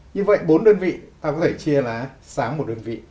như vậy bốn đơn vị ta có thể chia lá sáng một đơn vị